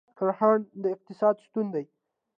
کرهڼه د اقتصاد ستون دی